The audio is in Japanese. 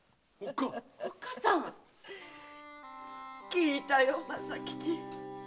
聞いたよ政吉。